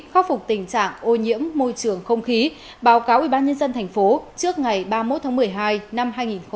khắc phục tình trạng ô nhiễm môi trường không khí báo cáo ubnd tp trước ngày ba mươi một tháng một mươi hai năm hai nghìn hai mươi